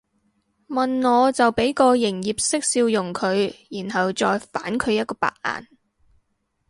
問我就俾個營業式笑容佢然後再反佢一個白眼